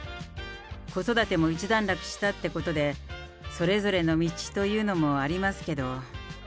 子育ても一段落したってことで、それぞれの道というものもありますけど。